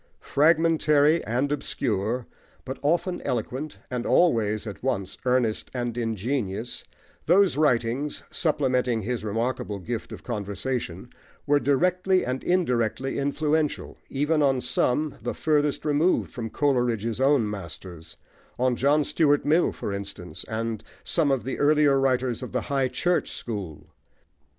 Fragmentary and obscure, but often eloquent, and always at once earnest and ingenious, those writings, supplementing his remarkable gift of conversation, were directly and indirectly influential, even on some the furthest removed from Coleridge's own masters; on John Stuart Mill, for instance, and some of the earlier writers of the "high church" school.